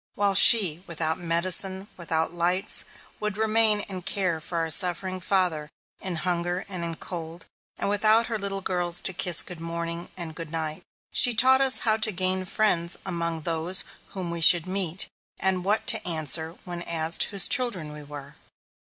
While she, without medicine, without lights, would remain and care for our suffering father, in hunger and in cold, and without her little girls to kiss good morning and good night. She taught us how to gain friends among those whom we should meet, and what to answer when asked whose children we were.